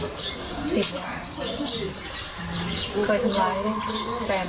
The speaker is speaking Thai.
เป็นพี่เป็นน้องกันโตมาด้วยกันตั้งแต่แล้ว